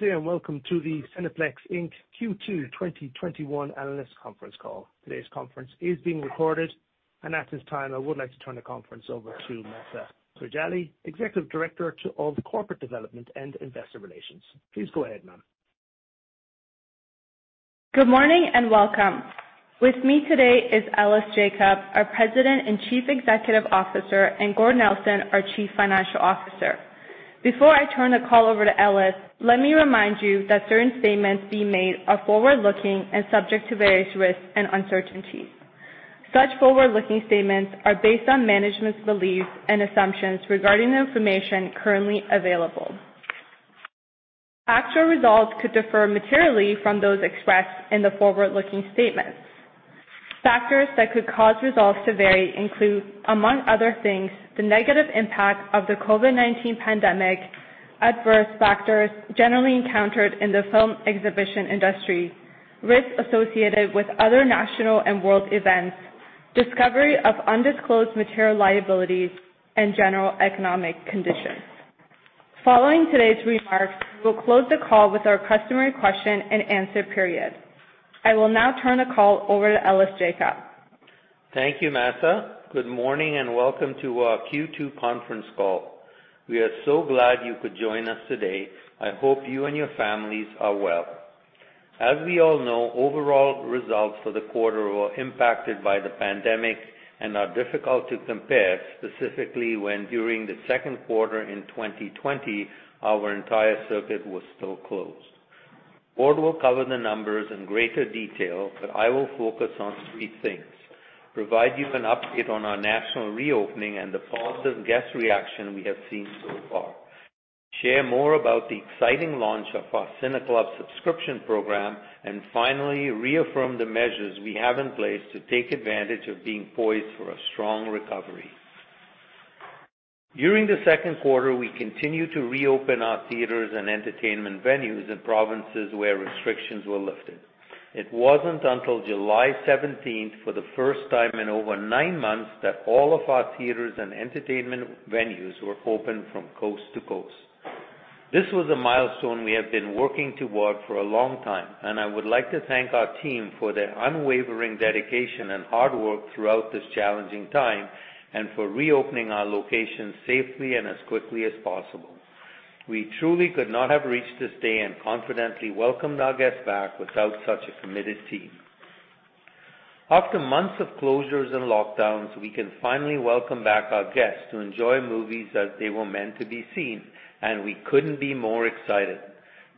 Good day, welcome to the Cineplex Inc. Q2 2021 Analyst Conference Call. Today's conference is being recorded. At this time, I would like to turn the conference over to Mahsa Rejali, Executive Director of Corporate Development and Investor Relations. Please go ahead, ma'am. Good morning, and welcome. With me today is Ellis Jacob, our President and Chief Executive Officer, and Gord Nelson, our Chief Financial Officer. Before I turn the call over to Ellis, let me remind you that certain statements being made are forward-looking and subject to various risks and uncertainties. Such forward-looking statements are based on management's beliefs and assumptions regarding the information currently available. Actual results could differ materially from those expressed in the forward-looking statements. Factors that could cause results to vary include, among other things, the negative impact of the COVID-19 pandemic, adverse factors generally encountered in the film exhibition industry, risks associated with other national and world events, discovery of undisclosed material liabilities, and general economic conditions. Following today's remarks, we will close the call with our customary question and answer period. I will now turn the call over to Ellis Jacob. Thank you, Mahsa. Good morning, and welcome to our Q2 conference call. We are so glad you could join us today. I hope you and your families are well. As we all know, overall results for the quarter were impacted by the pandemic and are difficult to compare, specifically when, during the second quarter in 2020, our entire circuit was still closed. Gordon will cover the numbers in greater detail, but I will focus on three things: provide you an update on our national reopening and the positive guest reaction we have seen so far, share more about the exciting launch of our CineClub subscription program, and finally, reaffirm the measures we have in place to take advantage of being poised for a strong recovery. During the second quarter, we continued to reopen our theaters and entertainment venues in provinces where restrictions were lifted. It wasn't until July 17th, for the first time in over nine months, that all of our theaters and entertainment venues were open from coast to coast. This was a milestone we have been working toward for a long time, and I would like to thank our team for their unwavering dedication and hard work throughout this challenging time and for reopening our locations safely and as quickly as possible. We truly could not have reached this day and confidently welcomed our guests back without such a committed team. After months of closures and lockdowns, we can finally welcome back our guests to enjoy movies as they were meant to be seen, and we couldn't be more excited.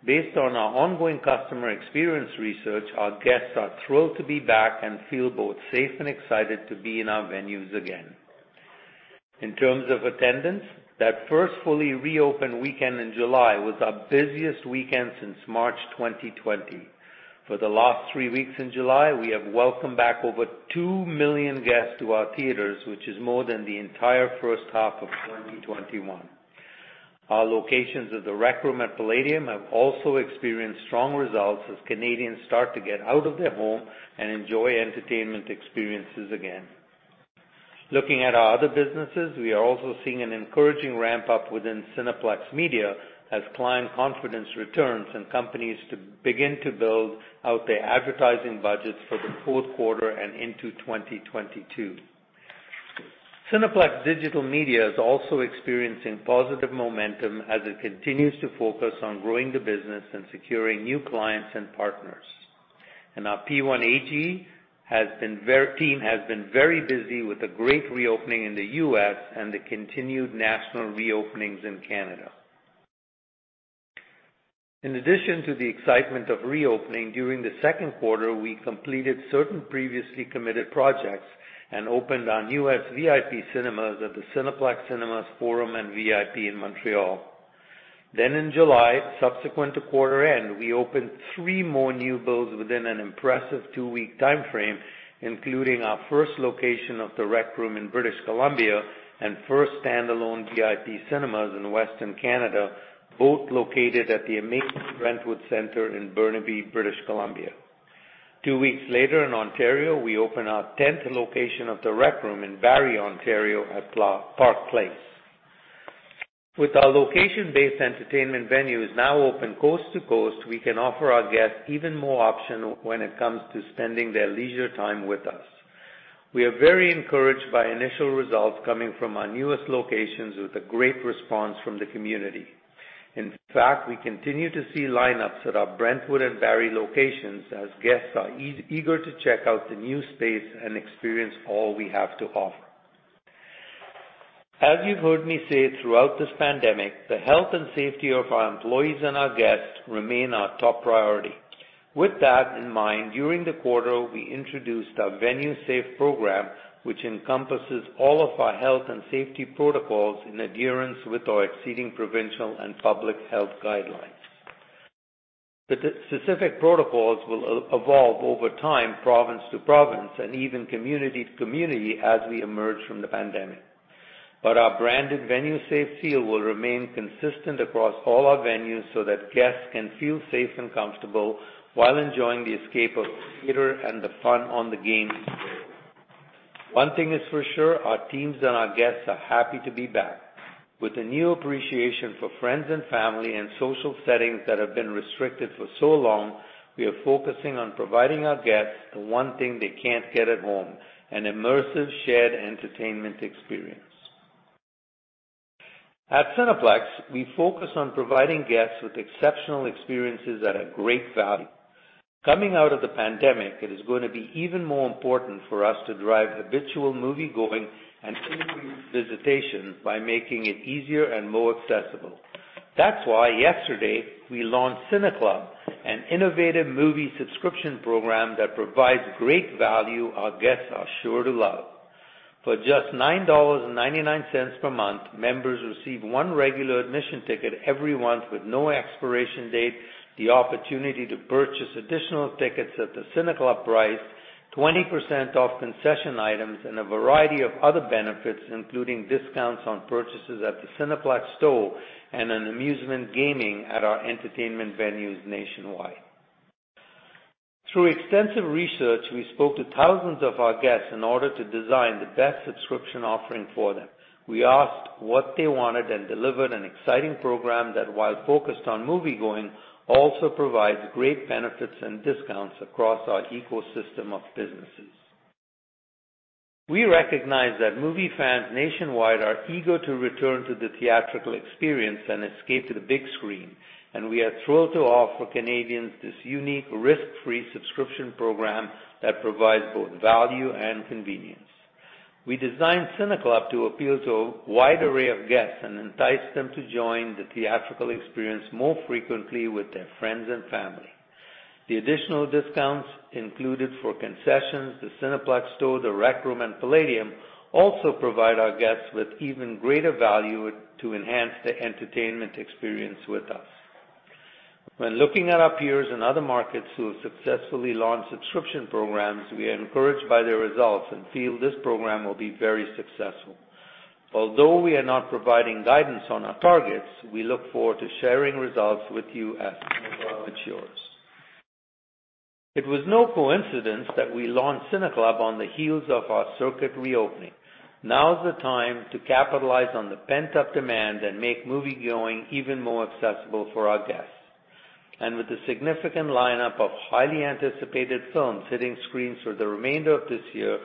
Based on our ongoing customer experience research, our guests are thrilled to be back and feel both safe and excited to be in our venues again. In terms of attendance, that first fully reopened weekend in July was our busiest weekend since March 2020. For the last three weeks in July, we have welcomed back over two million guests to our theaters, which is more than the entire first half of 2021. Our locations at The Rec Room and Playdium have also experienced strong results as Canadians start to get out of their home and enjoy entertainment experiences again. Looking at our other businesses, we are also seeing an encouraging ramp-up within Cineplex Media as client confidence returns and companies begin to build out their advertising budgets for the fourth quarter and into 2022. Cineplex Digital Media is also experiencing positive momentum as it continues to focus on growing the business and securing new clients and partners. Our P1AG team has been very busy with the great reopening in the U.S. and the continued national reopenings in Canada. In addition to the excitement of reopening, during the second quarter, we completed certain previously committed projects and opened our newest VIP Cinemas at the Cineplex Cinemas Forum and VIP in Montreal. In July, subsequent to quarter end, we opened three more new builds within an impressive two-week timeframe, including our first location of The Rec Room in British Columbia and first standalone VIP Cinemas in Western Canada, both located at The Amazing Brentwood in Burnaby, British Columbia. Two weeks later in Ontario, we opened our 10th location of The Rec Room in Barrie, Ontario at Park Place. With our location-based entertainment venues now open coast to coast, we can offer our guests even more options when it comes to spending their leisure time with us. We are very encouraged by initial results coming from our newest locations with a great response from the community. In fact, we continue to see lineups at our Brentwood and Barrie locations as guests are eager to check out the new space and experience all we have to offer. As you've heard me say throughout this pandemic, the health and safety of our employees and our guests remain our top priority. With that in mind, during the quarter, we introduced our VenueSafe program, which encompasses all of our health and safety protocols in adherence with our exceeding provincial and public health guidelines. The specific protocols will evolve over time, province to province, and even community to community, as we emerge from the pandemic. Our branded VenueSafe seal will remain consistent across all our venues so that guests can feel safe and comfortable while enjoying the escape of the theater and the fun on the games. One thing is for sure, our teams and our guests are happy to be back. With a new appreciation for friends and family and social settings that have been restricted for so long, we are focusing on providing our guests the one thing they can't get at home, an immersive shared entertainment experience. At Cineplex, we focus on providing guests with exceptional experiences at a great value. Coming out of the pandemic, it is going to be even more important for us to drive habitual moviegoing and increased visitation by making it easier and more accessible. That's why yesterday, we launched CineClub, an innovative movie subscription program that provides great value our guests are sure to love. For just 9.99 dollars per month, members receive one regular admission ticket every month with no expiration date, the opportunity to purchase additional tickets at the CineClub price, 20% off concession items, and a variety of other benefits, including discounts on purchases at the Cineplex Store and on amusement gaming at our entertainment venues nationwide. Through extensive research, we spoke to thousands of our guests in order to design the best subscription offering for them. We asked what they wanted and delivered an exciting program that, while focused on moviegoing, also provides great benefits and discounts across our ecosystem of businesses. We recognize that movie fans nationwide are eager to return to the theatrical experience and escape to the big screen, and we are thrilled to offer Canadians this unique risk-free subscription program that provides both value and convenience. We designed CineClub to appeal to a wide array of guests and entice them to join the theatrical experience more frequently with their friends and family. The additional discounts included for concessions, the Cineplex Store, The Rec Room, and Playdium also provide our guests with even greater value to enhance their entertainment experience with us. When looking at our peers in other markets who have successfully launched subscription programs, we are encouraged by their results and feel this program will be very successful. Although we are not providing guidance on our targets, we look forward to sharing results with you as CineClub matures. It was no coincidence that we launched CineClub on the heels of our circuit reopening. Now is the time to capitalize on the pent-up demand and make moviegoing even more accessible for our guests. With a significant lineup of highly anticipated films hitting screens for the remainder of this year,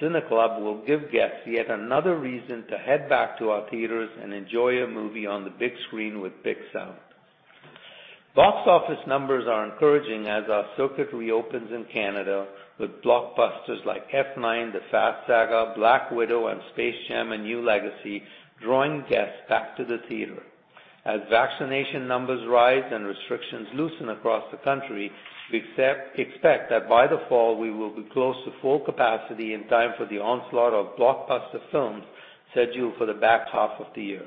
CineClub will give guests yet another reason to head back to our theaters and enjoy a movie on the big screen with big sound. Box office numbers are encouraging as our circuit reopens in Canada, with blockbusters like F9: The Fast Saga, Black Widow, and Space Jam: A New Legacy drawing guests back to the theater. As vaccination numbers rise and restrictions loosen across the country, we expect that by the fall, we will be close to full capacity in time for the onslaught of blockbuster films scheduled for the back half of the year.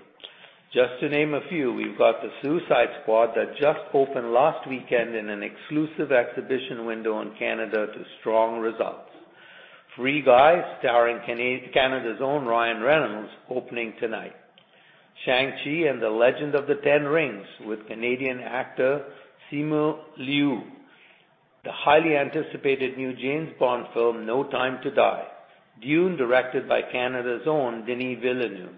Just to name a few, we've got The Suicide Squad that just opened last weekend in an exclusive exhibition window in Canada to strong results. Free Guy, starring Canada's own Ryan Reynolds, opening tonight. Shang-Chi and the Legend of the Ten Rings with Canadian actor Simu Liu. The highly anticipated new James Bond film, No Time to Die. Dune, directed by Canada's own Denis Villeneuve.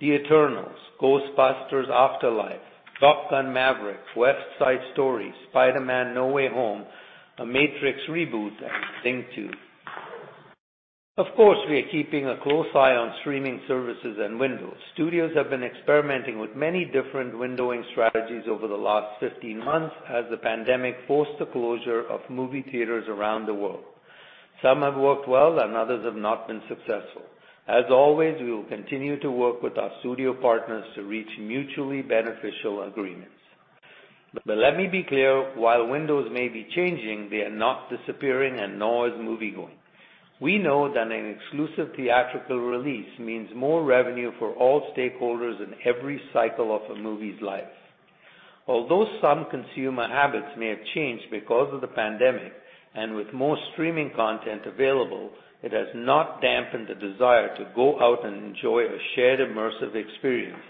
The Eternals, Ghostbusters: Afterlife, Top Gun: Maverick, West Side Story, Spider-Man: No Way Home, a Matrix reboot, and Sing 2. Of course, we are keeping a close eye on streaming services and windows. Studios have been experimenting with many different windowing strategies over the last 15 months as the pandemic forced the closure of movie theaters around the world. Some have worked well, and others have not been successful. As always, we will continue to work with our studio partners to reach mutually beneficial agreements. Let me be clear, while windows may be changing, they are not disappearing, and nor is moviegoing. We know that an exclusive theatrical release means more revenue for all stakeholders in every cycle of a movie's life. Although some consumer habits may have changed because of the pandemic, and with more streaming content available, it has not dampened the desire to go out and enjoy a shared immersive experience,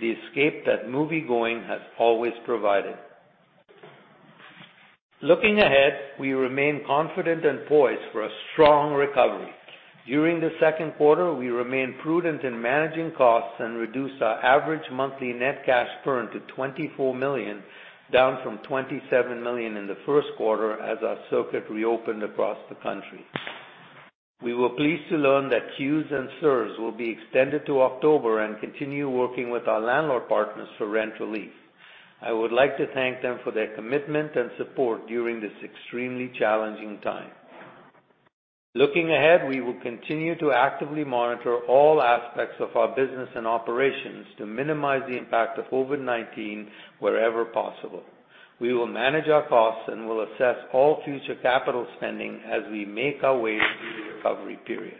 the escape that moviegoing has always provided. Looking ahead, we remain confident and poised for a strong recovery. During the second quarter, we remained prudent in managing costs and reduced our average monthly net cash burn to 24 million, down from 27 million in the first quarter as our circuit reopened across the country. We were pleased to learn that CEWS and CERS will be extended to October and continue working with our landlord partners for rent relief. I would like to thank them for their commitment and support during this extremely challenging time. Looking ahead, we will continue to actively monitor all aspects of our business and operations to minimize the impact of COVID-19 wherever possible. We will manage our costs and will assess all future capital spending as we make our way through the recovery period.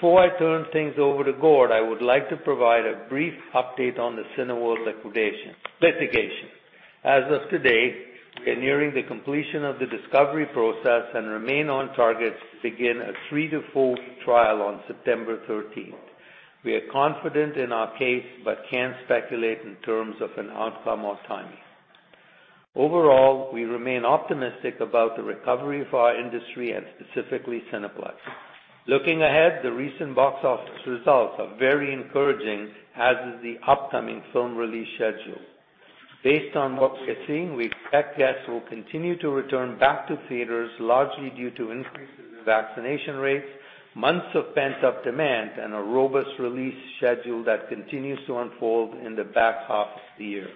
Before I turn things over to Gord, I would like to provide a brief update on the Cineworld litigation. As of today, we are nearing the completion of the discovery process and remain on target to begin a 3-4 week trial on September 13th. We are confident in our case but can't speculate in terms of an outcome or timing. Overall, we remain optimistic about the recovery of our industry and specifically Cineplex. Looking ahead, the recent box office results are very encouraging, as is the upcoming film release schedule. Based on what we are seeing, we expect guests will continue to return back to theaters, largely due to increases in vaccination rates, months of pent-up demand, and a robust release schedule that continues to unfold in the back half of the year.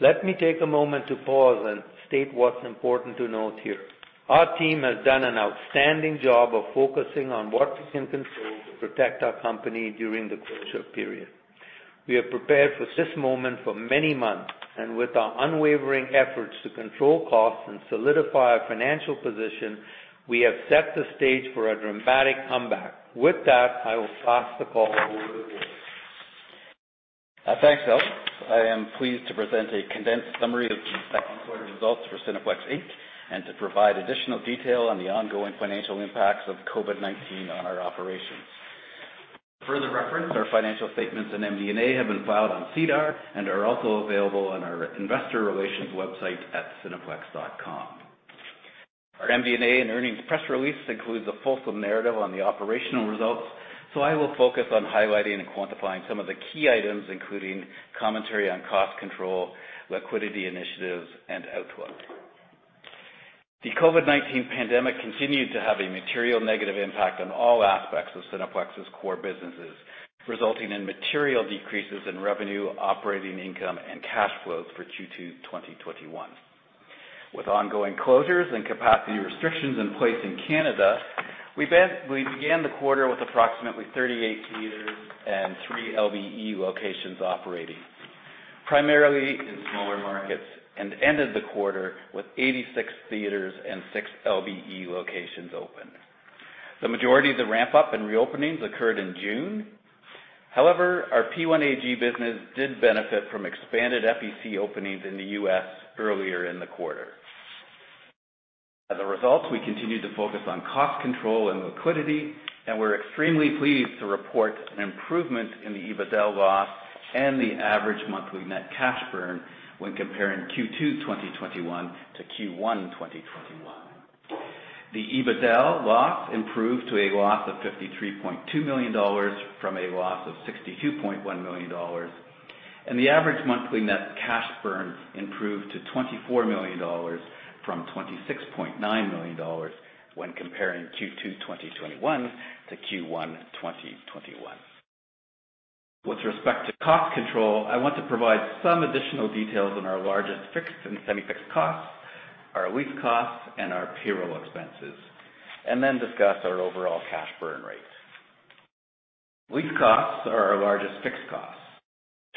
Let me take a moment to pause and state what is important to note here. Our team has done an outstanding job of focusing on what we can control to protect our company during the closure period. We have prepared for this moment for many months, and with our unwavering efforts to control costs and solidify our financial position, we have set the stage for a dramatic comeback. With that, I will pass the call over to James. Thanks, El. I am pleased to present a condensed summary of key second quarter results for Cineplex Inc., and to provide additional detail on the ongoing financial impacts of COVID-19 on our operations. For further reference, our financial statements and MD&A have been filed on SEDAR and are also available on our investor relations website at cineplex.com. Our MD&A and earnings press release includes a fulsome narrative on the operational results. So I will focus on highlighting and quantifying some of the key items, including commentary on cost control, liquidity initiatives, and outlook. The COVID-19 pandemic continued to have a material negative impact on all aspects of Cineplex's core businesses, resulting in material decreases in revenue, operating income, and cash flows for Q2 2021. With ongoing closures and capacity restrictions in place in Canada, we began the quarter with approximately 38 theaters and three LBE locations operating, primarily in smaller markets, and ended the quarter with 86 theaters and six LBE locations open. The majority of the ramp-up in reopenings occurred in June. However, our P1AG business did benefit from expanded FEC openings in the U.S. earlier in the quarter. As a result, we continued to focus on cost control and liquidity, and we're extremely pleased to report an improvement in the EBITDAaL loss and the average monthly net cash burn when comparing Q2 2021 to Q1 2021. The EBITDAaL loss improved to a loss of 53.2 million dollars from a loss of 62.1 million dollars, and the average monthly net cash burn improved to 24 million dollars, from 26.9 million dollars when comparing Q2 2021-Q1 2021. With respect to cost control, I want to provide some additional details on our largest fixed and semi-fixed costs, our lease costs, and our payroll expenses, and then discuss our overall cash burn rates. Lease costs are our largest fixed costs.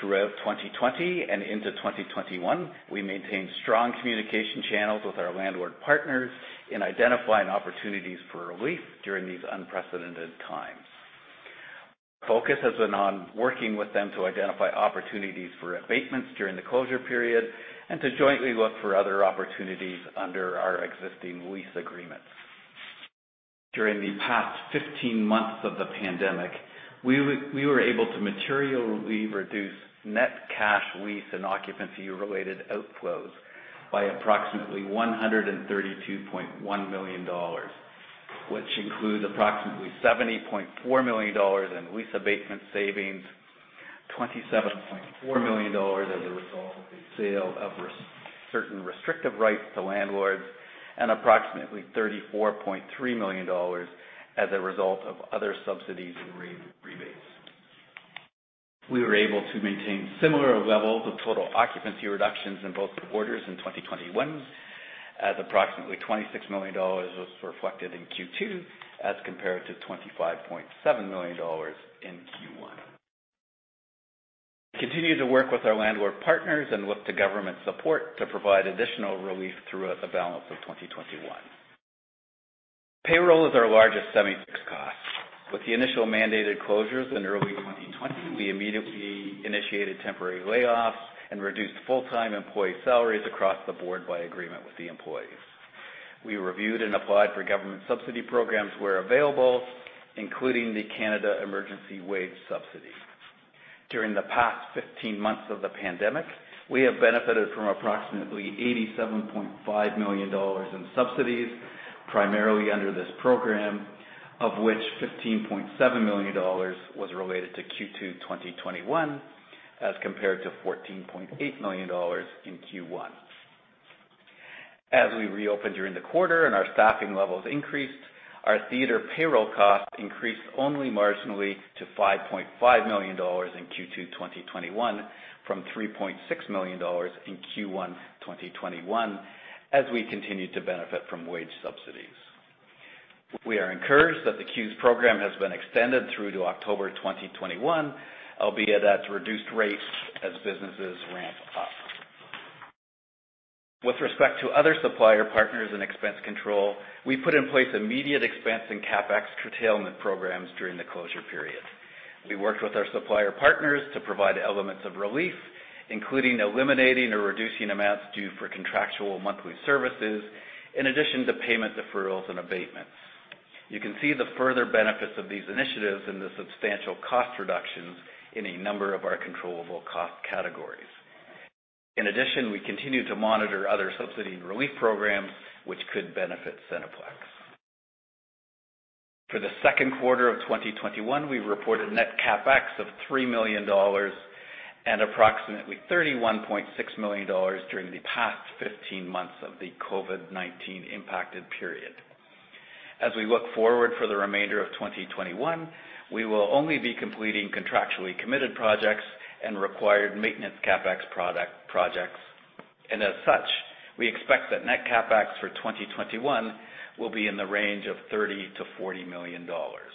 Throughout 2020 and into 2021, we maintained strong communication channels with our landlord partners in identifying opportunities for relief during these unprecedented times. Our focus has been on working with them to identify opportunities for abatements during the closure period and to jointly look for other opportunities under our existing lease agreements. During the past 15 months of the pandemic, we were able to materially reduce net cash lease and occupancy-related outflows by approximately 132.1 million dollars, which includes approximately 70.4 million dollars in lease abatement savings, 27.4 million dollars as a result of the sale of certain restrictive rights to landlords, and approximately 34.3 million dollars as a result of other subsidies and rebates. We were able to maintain similar levels of total occupancy reductions in both quarters in 2021, as approximately 26 million dollars was reflected in Q2 as compared to 25.7 million dollars in Q1. We continue to work with our landlord partners and with the government support to provide additional relief throughout the balance of 2021. Payroll is our largest semi-fixed cost. With the initial mandated closures in early 2020, we immediately initiated temporary layoffs and reduced full-time employee salaries across the board by agreement with the employees. We reviewed and applied for government subsidy programs where available, including the Canada Emergency Wage Subsidy. During the past 15 months of the pandemic, we have benefited from approximately 87.5 million dollars in subsidies, primarily under this program, of which 15.7 million dollars was related to Q2 2021, as compared to 14.8 million dollars in Q1. As we reopened during the quarter and our staffing levels increased, our theater payroll costs increased only marginally to 5.5 million dollars in Q2 2021 from 3.6 million dollars in Q1 2021, as we continued to benefit from wage subsidies. We are encouraged that the CEWS program has been extended through to October 2021, albeit at reduced rates as businesses ramp up. With respect to other supplier partners and expense control, we put in place immediate expense and CapEx curtailment programs during the closure period. We worked with our supplier partners to provide elements of relief, including eliminating or reducing amounts due for contractual monthly services, in addition to payment deferrals and abatements. You can see the further benefits of these initiatives in the substantial cost reductions in a number of our controllable cost categories. In addition, we continue to monitor other subsidy and relief programs which could benefit Cineplex. For the second quarter of 2021, we reported net CapEx of 3 million dollars and approximately 31.6 million dollars during the past 15 months of the COVID-19 impacted period. As we look forward for the remainder of 2021, we will only be completing contractually committed projects and required maintenance CapEx projects. As such, we expect that net CapEx for 2021 will be in the range of 30 million-40 million dollars.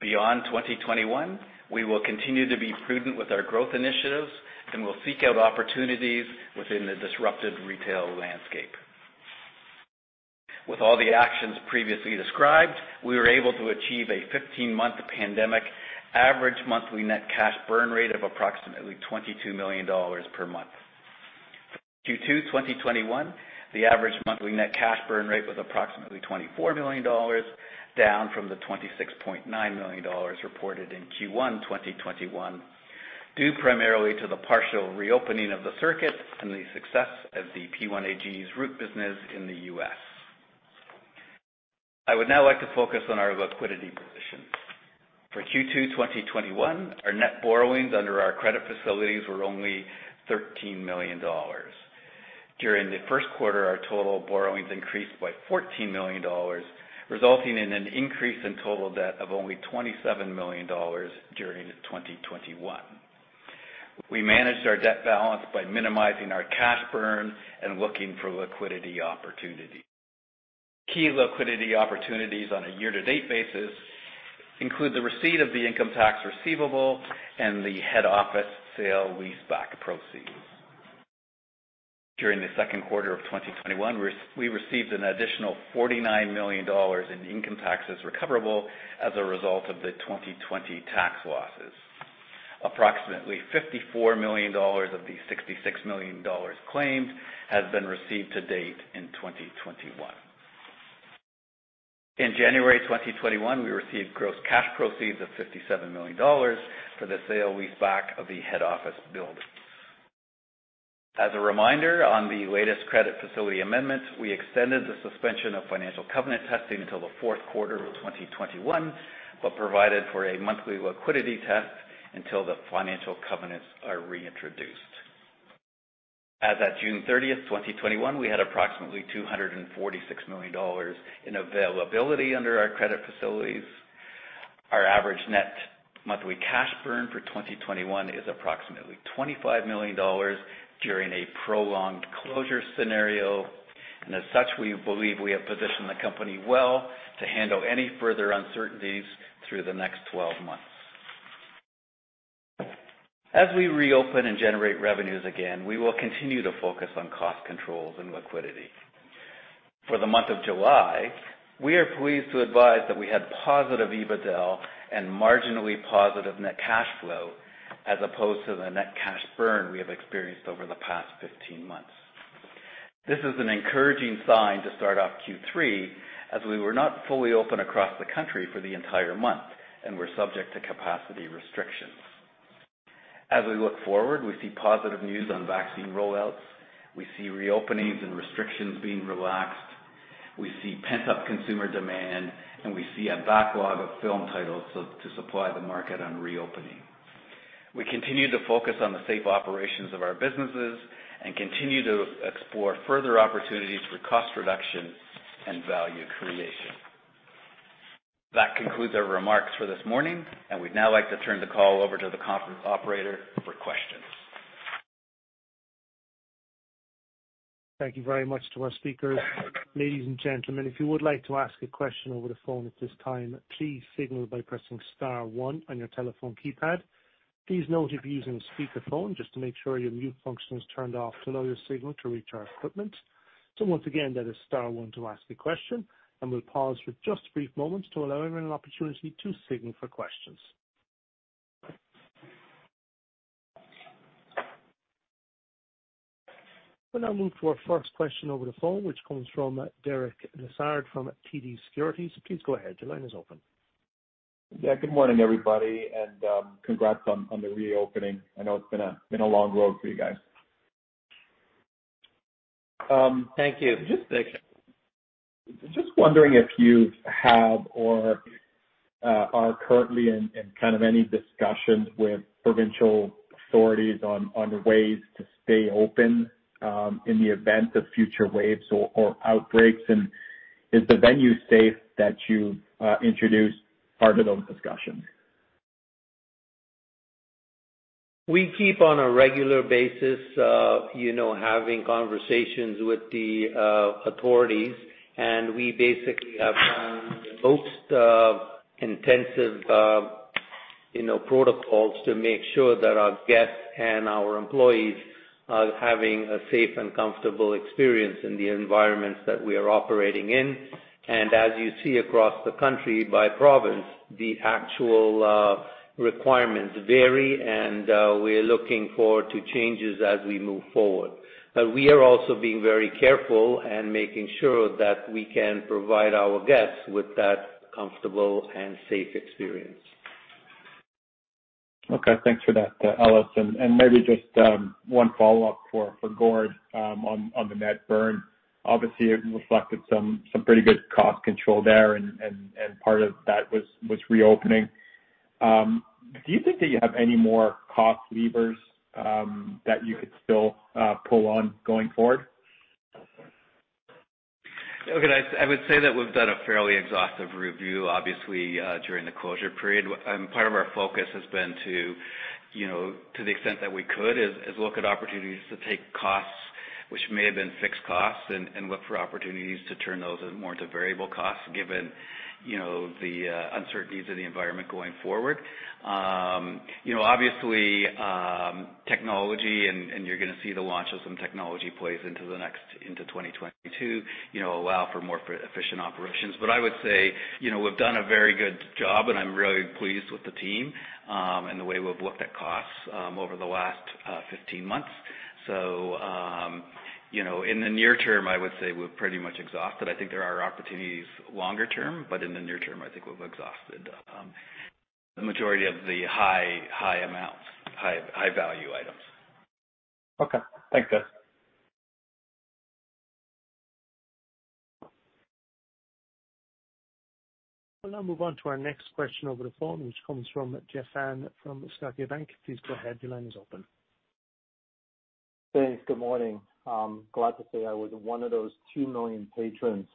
Beyond 2021, we will continue to be prudent with our growth initiatives and will seek out opportunities within the disrupted retail landscape. With all the actions previously described, we were able to achieve a 15-month pandemic average monthly net cash burn rate of approximately 22 million dollars per month. Q2 2021, the average monthly net cash burn rate was approximately 24 million dollars, down from the 26.9 million dollars reported in Q1 2021, due primarily to the partial reopening of the circuit and the success of the P1AG's route business in the U.S. I would now like to focus on our liquidity position. For Q2 2021, our net borrowings under our credit facilities were only 13 million dollars. During the first quarter, our total borrowings increased by 14 million dollars, resulting in an increase in total debt of only 27 million dollars during 2021. We managed our debt balance by minimizing our cash burn and looking for liquidity opportunities. Key liquidity opportunities on a year-to-date basis include the receipt of the income tax receivable and the head office sale leaseback proceeds. During Q2 2021, we received an additional 49 million dollars in income taxes recoverable as a result of the 2020 tax losses. Approximately 54 million dollars of the 66 million dollars claimed has been received to date in 2021. In January 2021, we received gross cash proceeds of 57 million dollars for the sale leaseback of the head office building. As a reminder, on the latest credit facility amendments, we extended the suspension of financial covenant testing until Q4 2021, but provided for a monthly liquidity test until the financial covenants are reintroduced. As at June 30th, 2021, we had approximately 246 million dollars in availability under our credit facilities. Our average net monthly cash burn for 2021 is approximately 25 million dollars during a prolonged closure scenario. As such, we believe we have positioned the company well to handle any further uncertainties through the next 12 months. As we reopen and generate revenues again, we will continue to focus on cost controls and liquidity. For the month of July, we are pleased to advise that we had positive EBITDAaL and marginally positive net cash flow as opposed to the net cash burn we have experienced over the past 15 months. This is an encouraging sign to start off Q3, as we were not fully open across the country for the entire month, and were subject to capacity restrictions. As we look forward, we see positive news on vaccine roll-outs. We see reopenings and restrictions being relaxed. We see pent-up consumer demand, and we see a backlog of film titles to supply the market on reopening. We continue to focus on the safe operations of our businesses and continue to explore further opportunities for cost reduction and value creation. That concludes our remarks for this morning, and we'd now like to turn the call over to the conference operator for questions. Thank you very much to our speakers. Ladies and gentlemen, if you would like to ask a question over the phone at this time, please signal by pressing star one on your telephone keypad. Please note if you're using a speakerphone, just to make sure your mute function is turned off to allow your signal to reach our equipment. Once again, that is star one to ask a question, and we'll pause for just a brief moment to allow everyone an opportunity to signal for questions. We'll now move to our first question over the phone, which comes from Derek Lessard from TD Securities. Please go ahead. Your line is open. Yeah. Good morning, everybody, and congrats on the reopening. I know it's been a long road for you guys. Thank you. Just wondering if you have or are currently in any discussions with provincial authorities on ways to stay open in the event of future waves or outbreaks, and is the VenueSafe that you introduced part of those discussions? We keep on a regular basis having conversations with the authorities, and we basically have the most intensive protocols to make sure that our guests and our employees are having a safe and comfortable experience in the environments that we are operating in. As you see across the country by province, the actual requirements vary, and we're looking forward to changes as we move forward. We are also being very careful and making sure that we can provide our guests with that comfortable and safe experience. Okay, thanks for that, Ellis. Maybe just one follow-up for Gord on the net burn. Obviously, it reflected some pretty good cost control there, and part of that was reopening. Do you think that you have any more cost levers that you could still pull on going forward? Okay. I would say that we've done a fairly exhaustive review, obviously, during the closure period. Part of our focus has been to the extent that we could, is look at opportunities to take costs which may have been fixed costs and look for opportunities to turn those more into variable costs, given the uncertainties in the environment going forward. Obviously, technology, and you're going to see the launch of some technology plays into 2022 allow for more efficient operations. I would say, we've done a very good job, and I'm really pleased with the team and the way we've looked at costs over the last 15 months. In the near term, I would say we're pretty much exhausted. I think there are opportunities longer term, but in the near term, I think we've exhausted the majority of the high value items. Okay. Thanks, guys. We'll now move on to our next question over the phone, which comes from Jeff Fan from Scotiabank. Please go ahead. Your line is open. Thanks. Good morning. I'm glad to say I was one of those two million patrons,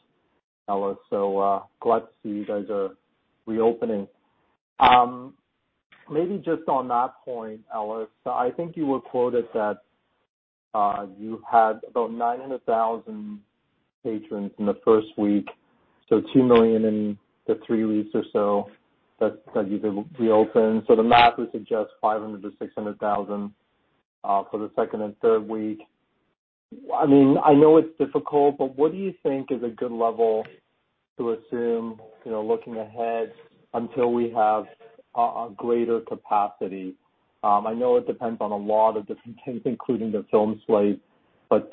Ellis, so glad to see you guys are reopening. Maybe just on that point, Ellis, I think you were quoted that you had about 900,000 patrons in the first week, so two million in the three weeks or so that you've reopened. The math would suggest 500,000-600,000 for the second and third week. I know it's difficult, but what do you think is a good level to assume, looking ahead until we have a greater capacity? I know it depends on a lot of different things, including the film slate.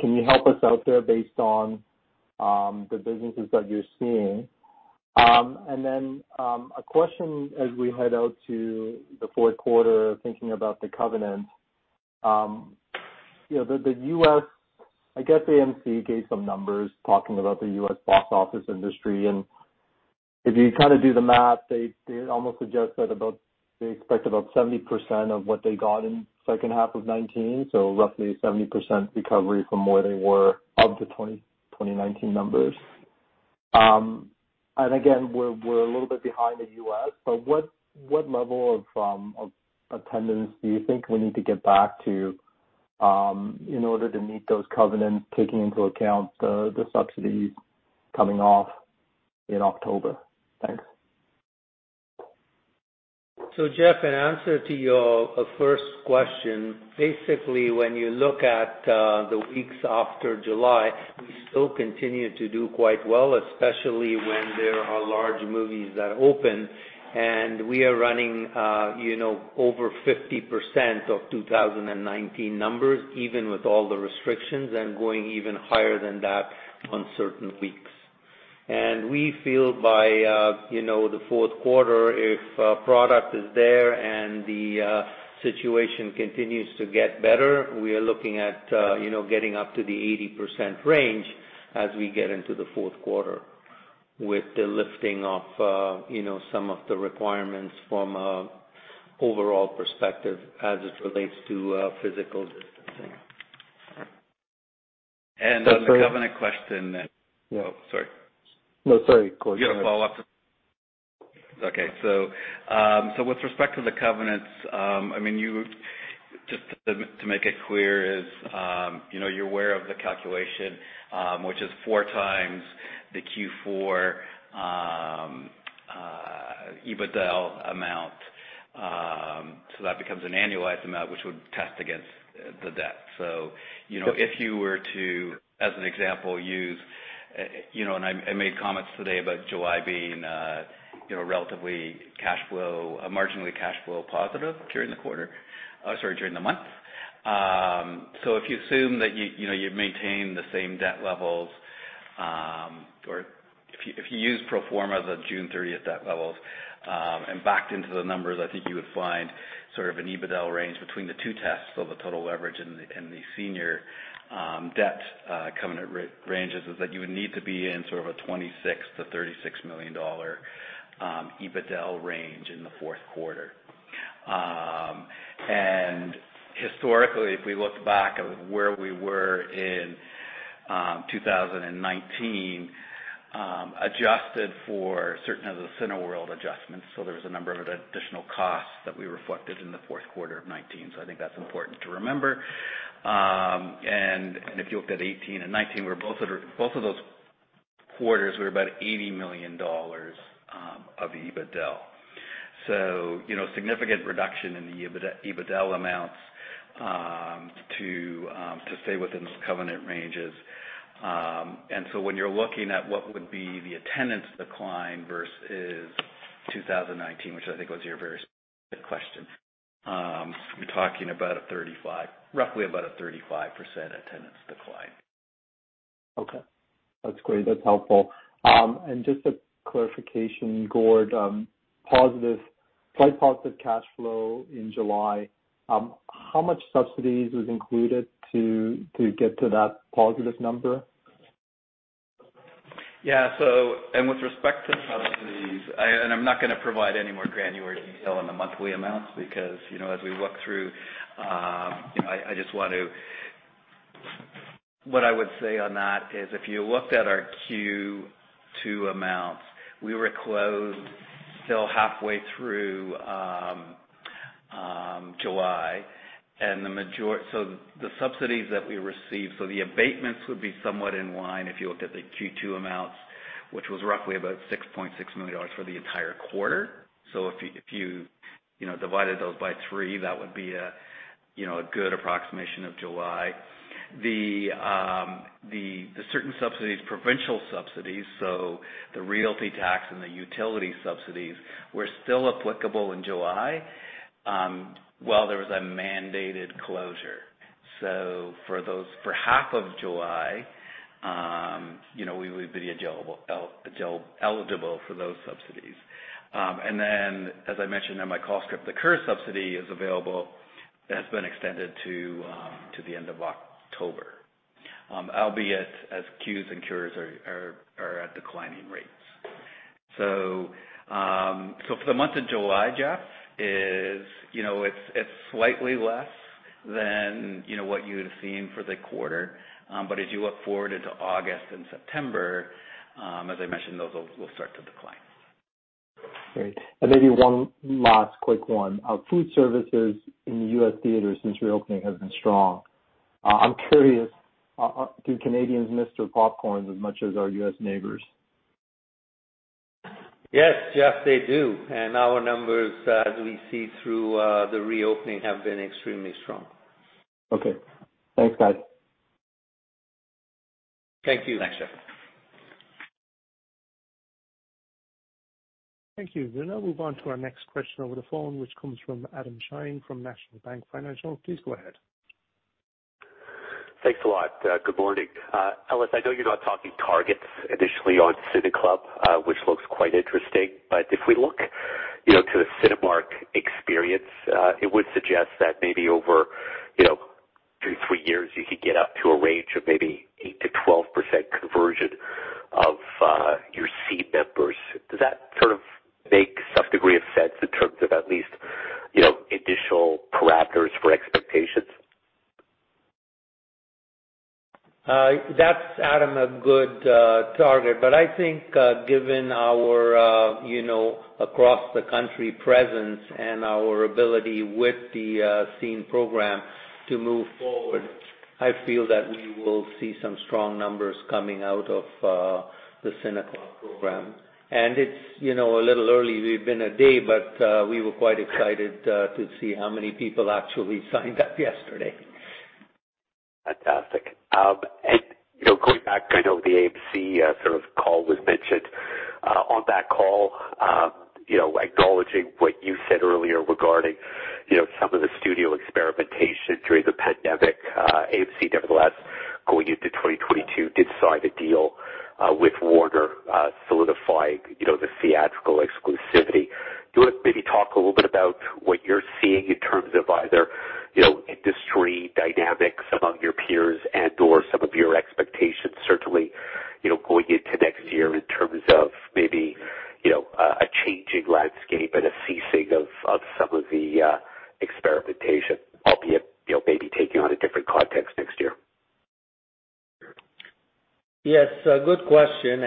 Can you help us out there based on the businesses that you're seeing? A question as we head out to the fourth quarter, thinking about the covenant. The U.S., I guess AMC gave some numbers talking about the US box office industry, and if you do the math, they almost suggest that they expect about 70% of what they got in the second half of 2019, so roughly 70% recovery from where they were of the 2019 numbers. Again, we're a little bit behind the U.S., but what level of attendance do you think we need to get back to in order to meet those covenants, taking into account the subsidies coming off in October? Thanks. Jeff, in answer to your first question, basically, when you look at the weeks after July, we still continue to do quite well, especially when there are large movies that open. We are running over 50% of 2019 numbers, even with all the restrictions, and going even higher than that on certain weeks. We feel by the fourth quarter, if product is there and the situation continues to get better, we are looking at getting up to the 80% range as we get into the fourth quarter with the lifting of some of the requirements from an overall perspective as it relates to physical distancing. And on the covenant question- Yeah. Sorry. No, sorry, go ahead. With respect to the covenants, just to make it clear, you're aware of the calculation, which is 4x the Q4 EBITDA amount. That becomes an annualized amount which would test against the debt. If you were to, as an example, and I made comments today about July being relatively marginally cash flow positive during the month. If you assume that you maintain the same debt levels, or if you use pro forma as of June 30th debt levels, and backed into the numbers, I think you would find sort of an EBITDAaL range between the two tests of the total leverage and the senior debt covenant ranges, is that you would need to be in sort of a 26 million-36 million dollar EBITDAaL range in the fourth quarter. Historically, if we look back at where we were in 2019, adjusted for certain of the Cineworld adjustments. There was a number of additional costs that we reflected in the fourth quarter of 2019.I think that's important to remember. If you looked at 2018 and 2019, both of those quarters were about 80 million dollars of EBITDAaL. Significant reduction in the EBITDAaL amounts to stay within those covenant ranges. When you're looking at what would be the attendance decline versus 2019, which I think was your first question, you're talking roughly about a 35% attendance decline. Okay. That's great. That's helpful. Just a clarification, Gord. Slight positive cash flow in July. How much subsidies was included to get to that positive number? Yeah. With respect to subsidies, I'm not going to provide any more granular detail on the monthly amounts because, as we work through, what I would say on that is if you looked at our Q2 amounts, we were closed till halfway through July. The subsidies that we received, so the abatements would be somewhat in line if you looked at the Q2 amounts, which was roughly about 6.6 million dollars for the entire quarter. If you divided those by three, that would be a good approximation of July. The certain subsidies, provincial subsidies, so the realty tax and the utility subsidies, were still applicable in July while there was a mandated closure. For half of July, we would be eligible for those subsidies. As I mentioned in my call script, the CERS subsidy is available. That's been extended to the end of October. Albeit as CEWS and CERS are at declining rates. For the month of July, Jeff, it's slightly less than what you had seen for the quarter. As you look forward into August and September, as I mentioned, those will start to decline. Great. Maybe one last quick one. Food services in the US theaters since reopening has been strong. I'm curious, do Canadians miss their popcorns as much as our US neighbors? Yes, Jeff, they do. Our numbers as we see through the reopening have been extremely strong. Okay. Thanks, guys. Thank you. Thanks, Jeff. Thank you. We'll now move on to our next question over the phone, which comes from Adam Shine from National Bank Financial. Please go ahead. Thanks a lot. Good morning. Ellis, I know you're not talking targets initially on CineClub, which looks quite interesting. If we look to the Cinemark experience, it would suggest that maybe over two, three years, you could get up to a range of maybe 8%-12% conversion of your SCENE members. Does that sort of make some degree of sense in terms of at least initial parameters for expectations? That's, Adam, a good target. I think, given our across the country presence and our ability with the SCENE program to move forward, I feel that we will see some strong numbers coming out of the CineClub program. It's a little early. We've been a day, but we were quite excited to see how many people actually signed up yesterday. Fantastic. Going back, I know the AMC sort of call was mentioned. On that call, acknowledging what you said earlier regarding some of the studio experimentation during the pandemic. AMC nevertheless going into 2022 did sign a deal with Warner solidifying the theatrical exclusivity. Do you want to maybe talk a little bit about what you're seeing in terms of either industry dynamics among your peers and/or some of your expectations, certainly, going into next year in terms of maybe a changing landscape and a ceasing of some of the experimentation, albeit maybe taking on a different context next year? Yes, a good question.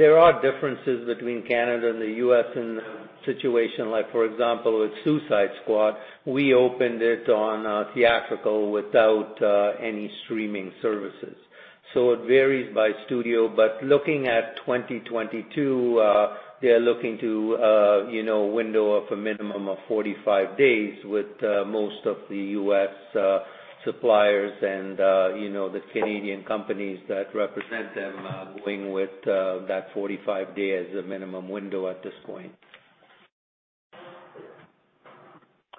There are differences between Canada and the U.S. in the situation. Like for example, with "Suicide Squad," we opened it on theatrical without any streaming services. It varies by studio. Looking at 2022, they're looking to a window of a minimum of 45 days with most of the US suppliers and the Canadian companies that represent them going with that 45 day as a minimum window at this point.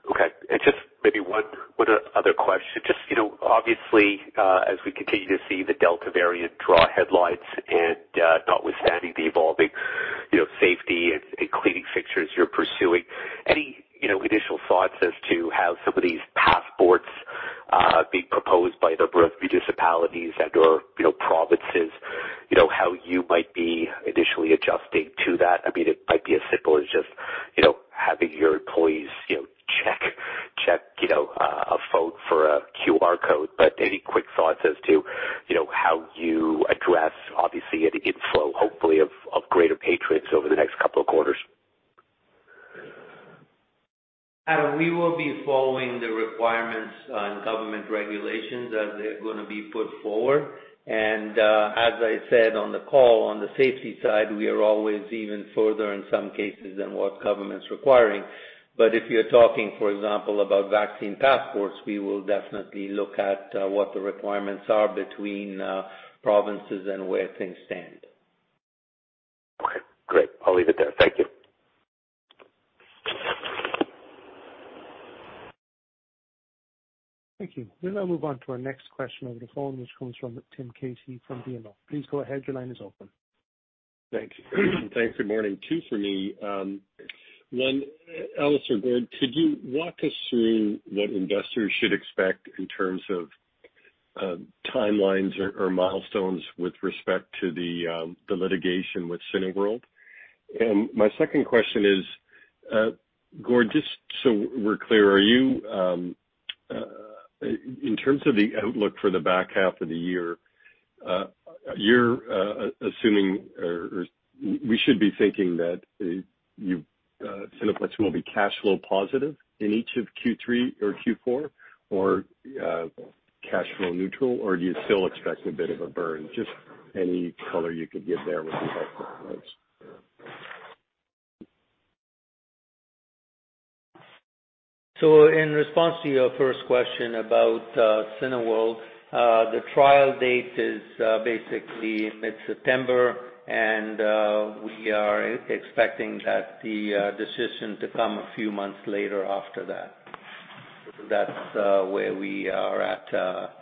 Okay. Just maybe one other question. Just obviously, as we continue to see the Delta variant draw headlines and notwithstanding the evolving safety and cleaning fixtures you're pursuing, any initial thoughts as to how some of these passports being proposed by a number of municipalities and/or provinces, how you might be initially adjusting to that? It might be as simple as just having your employees check a phone for a QR code. Any quick thoughts as to how you address, obviously, an inflow, hopefully, of greater patrons over the next couple of quarters? Adam, we will be following the requirements on government regulations as they're going to be put forward. As I said on the call, on the safety side, we are always even further in some cases than what government's requiring. If you're talking, for example, about vaccine passports, we will definitely look at what the requirements are between provinces and where things stand. Okay, great. I'll leave it there. Thank you. Thank you. We'll now move on to our next question over the phone, which comes from Tim Casey from BMO. Please go ahead. Your line is open. Thanks. Good morning, two for me. One, Ellis or Gord, could you walk us through what investors should expect in terms of timelines or milestones with respect to the litigation with Cineworld? My second question is, Gord, just so we're clear, in terms of the outlook for the back half of the year, we should be thinking that Cineplex will be cash flow positive in each of Q3 or Q4, or cash flow neutral? Or do you still expect a bit of a burn? Just any color you could give there would be helpful. Thanks. In response to your first question about Cineworld, the trial date is basically mid-September, and we are expecting the decision to come a few months later after that. That's where we are at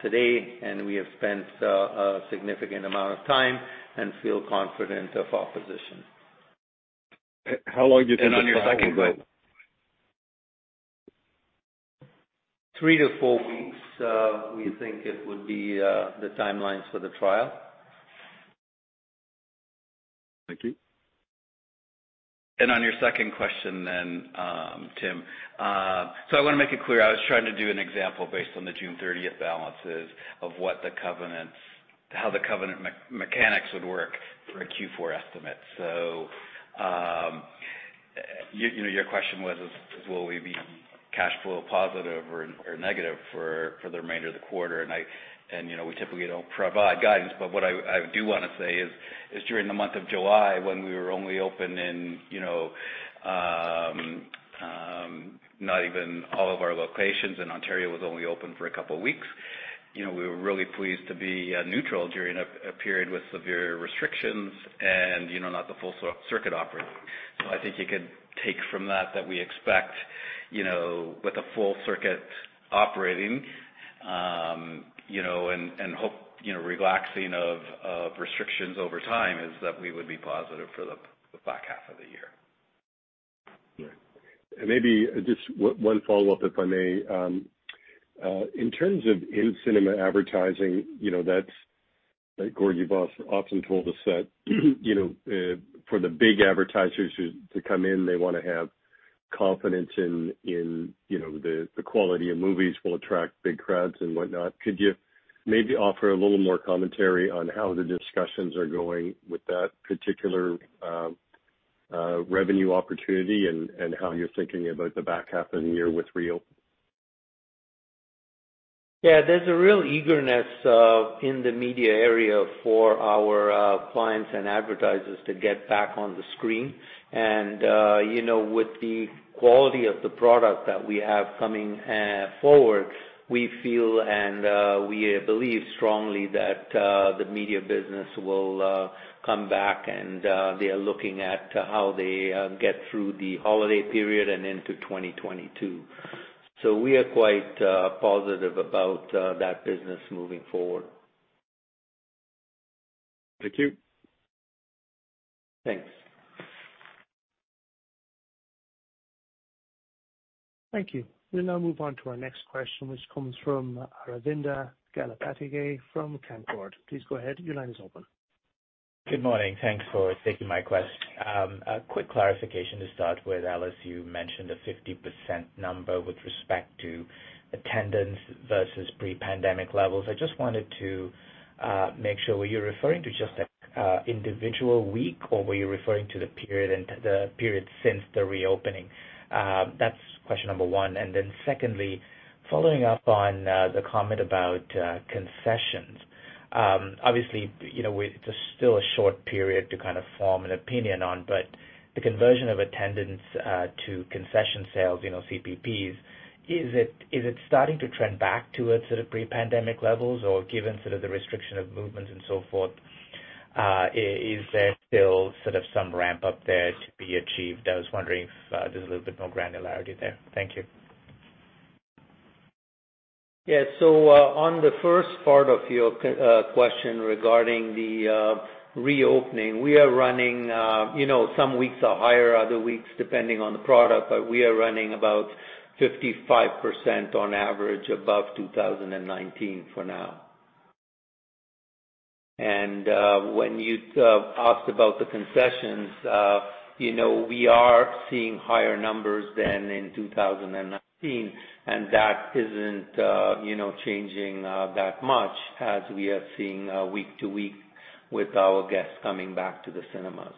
today, and we have spent a significant amount of time and feel confident of our position. How long do you think the trial will? On your second point. 3-4 weeks, we think it would be the timelines for the trial. Thank you. On your second question, Tim. I want to make it clear, I was trying to do an example based on the June 30th balances of how the covenant mechanics would work for a Q4 estimate. Your question was, will we be cash flow positive or negative for the remainder of the quarter? We typically don't provide guidance, but what I do want to say is during the month of July, when we were only open in not even all of our locations, and Ontario was only open for a couple of weeks. We were really pleased to be neutral during a period with severe restrictions and not the full circuit operating. I think you could take from that we expect with the full circuit operating, and relaxing of restrictions over time, is that we would be positive for the back half of the year. Yeah. Maybe just one follow-up, if I may. In terms of in-cinema advertising, Gord, you've often told us that for the big advertisers to come in, they want to have confidence in the quality of movies will attract big crowds and whatnot. Could you maybe offer a little more commentary on how the discussions are going with that particular revenue opportunity and how you're thinking about the back half of the year with reel? Yeah, there's a real eagerness in the media area for our clients and advertisers to get back on the screen. With the quality of the product that we have coming forward, we feel, and we believe strongly that the media business will come back and they are looking at how they get through the holiday period and into 2022. We are quite positive about that business moving forward. Thank you. Thanks. Thank you. We'll now move on to our next question, which comes from Aravinda Galappatthige from Canaccord. Please go ahead. Your line is open. Good morning. Thanks for taking my question. A quick clarification to start with. Ellis, you mentioned a 50% number with respect to attendance versus pre-pandemic levels. I just wanted to make sure, were you referring to just an individual week, or were you referring to the period since the reopening? That's question number one. Secondly, following up on the comment about concessions. Obviously, it's still a short period to kind of form an opinion on, but the conversion of attendance to concession sales, CPP. Is it starting to trend back to its sort of pre-pandemic levels? Given sort of the restriction of movements and so forth, is there still some ramp-up there to be achieved? I was wondering if there's a little bit more granularity there. Thank you. Yeah. On the first part of your question regarding the reopening, we are running some weeks are higher, other weeks, depending on the product. We are running about 55% on average above 2019 for now. When you asked about the concessions, we are seeing higher numbers than in 2019. That isn't changing that much as we are seeing week to week with our guests coming back to the cinemas.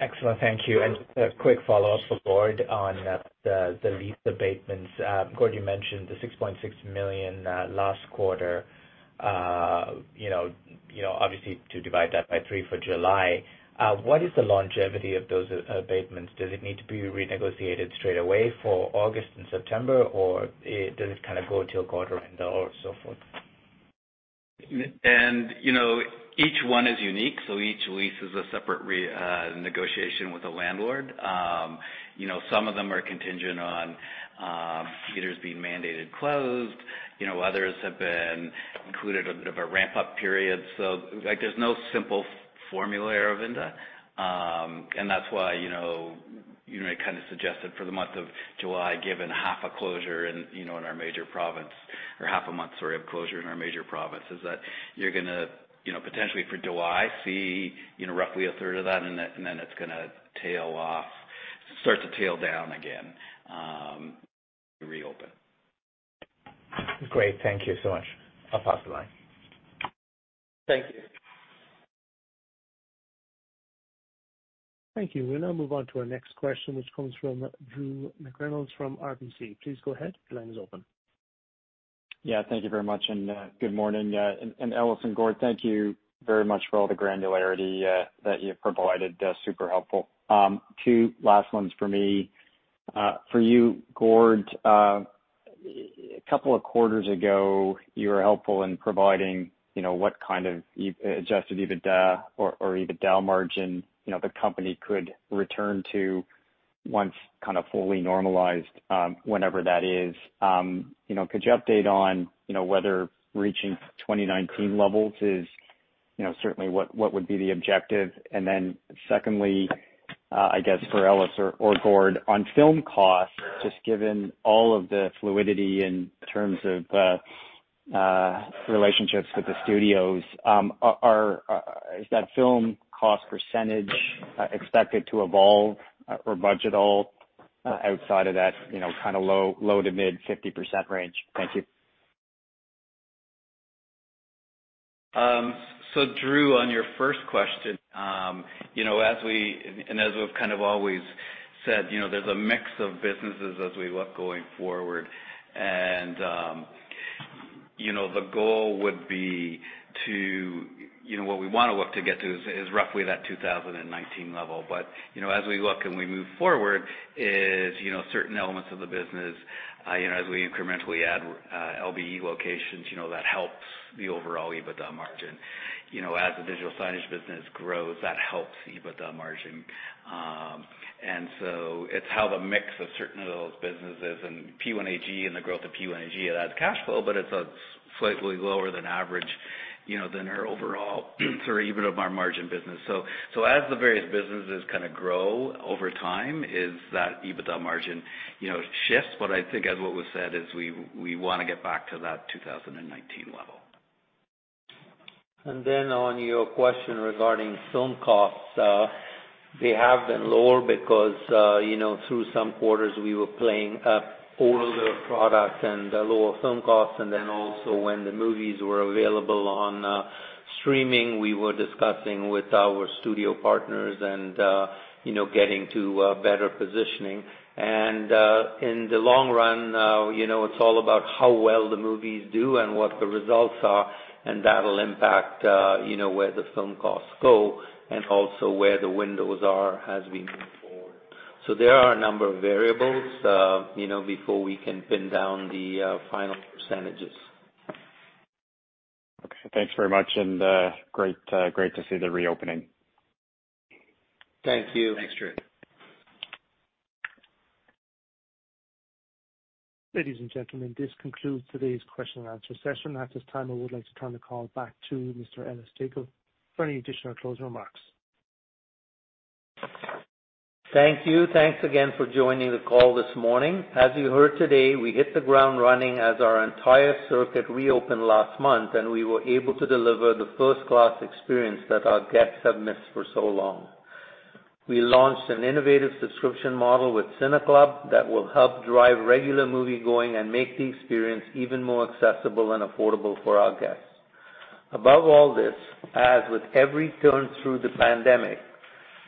Excellent. Thank you. Just a quick follow-up for Gord on the lease abatements. Gord, you mentioned the 6.6 million last quarter. Obviously to divide that by three for July. What is the longevity of those abatements? Does it need to be renegotiated straight away for August and September, or does it go till quarter-end or so forth? Each one is unique, so each lease is a separate negotiation with the landlord. Some of them are contingent on theaters being mandated closed, others have been included a bit of a ramp-up period. There's no simple formula, Aravinda. That's why I kind of suggested for the month of July, given half a month of closure in our major provinces, that you're going to potentially for July see roughly a third of that, and then it's going to start to tail down again, reopen. Great. Thank you so much. I'll pass the line. Thank you. Thank you. We'll now move on to our next question, which comes from Drew McReynolds from RBC. Please go ahead. Your line is open. Yeah, thank you very much, good morning. Ellis and Gord, thank you very much for all the granularity that you've provided. Super helpful. Two last ones for me. For you, Gord, a couple of quarters ago, you were helpful in providing what kind of Adjusted EBITDA or EBITDAaL margin the company could return to once kind of fully normalized, whenever that is. Could you update on whether reaching 2019 levels is certainly what would be the objective? Secondly, I guess for Ellis or Gord, on film costs, just given all of the fluidity in terms of relationships with the studios, is that film cost percentage expected to evolve or budge at all outside of that low to mid 50% range? Thank you. Drew, on your first question, and as we've kind of always said, there's a mix of businesses as we look going forward. The goal would be what we want to look to get to is roughly that 2019 level. As we look and we move forward is certain elements of the business, as we incrementally add LBE locations that helps the overall EBITDA margin. As the digital signage business grows, that helps EBITDA margin. It's how the mix of certain of those businesses and P1AG and the growth of P1AG adds cash flow, but it's a slightly lower than average than our overall sort of our margin business. As the various businesses kind of grow over time is that EBITDA margin shifts. I think as what was said is we want to get back to that 2019 level. On your question regarding film costs, they have been lower because through some quarters we were playing up older products and lower film costs. Also when the movies were available on streaming, we were discussing with our studio partners and getting to a better positioning. In the long run, it's all about how well the movies do and what the results are, and that'll impact where the film costs go and also where the windows are as we move forward. There are a number of variables before we can pin down the final percentages. Okay. Thanks very much, and great to see the reopening. Thank you. Thanks, Drew. Ladies and gentlemen, this concludes today's question and answer session. At this time, I would like to turn the call back to Mr. Ellis Jacob for any additional closing remarks. Thank you. Thanks again for joining the call this morning. As you heard today, we hit the ground running as our entire circuit reopened last month, and we were able to deliver the first-class experience that our guests have missed for so long. We launched an innovative subscription model with CineClub that will help drive regular moviegoing and make the experience even more accessible and affordable for our guests. Above all this, as with every turn through the pandemic,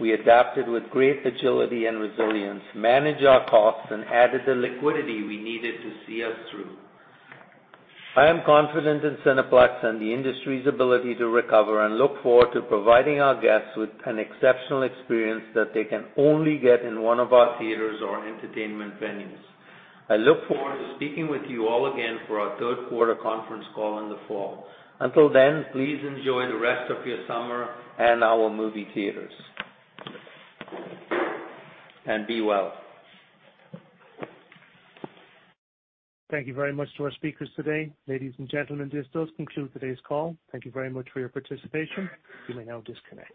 we adapted with great agility and resilience, managed our costs, and added the liquidity we needed to see us through. I am confident in Cineplex and the industry's ability to recover and look forward to providing our guests with an exceptional experience that they can only get in one of our theaters or entertainment venues. I look forward to speaking with you all again for our third quarter conference call in the fall. Until then, please enjoy the rest of your summer and our movie theaters. Be well. Thank you very much to our speakers today. Ladies and gentlemen, this does conclude today's call. Thank you very much for your participation. You may now disconnect.